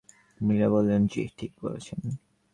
মীরা বললেন, জ্বি, ঠিক বলছেন।